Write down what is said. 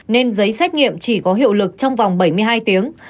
nên giấy xét nghiệm chỉ có hiệu lực trong vòng bảy mươi hai tiếng